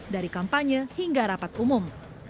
dari kampanye hingga rapat umum